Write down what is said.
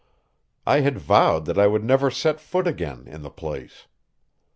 I had vowed I would never set foot again in the place.